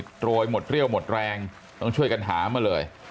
โรยหมดเรี่ยวหมดแรงต้องช่วยกันหามาเลย